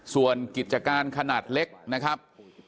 ส่วนกิจการขนาดเล็กนะครับ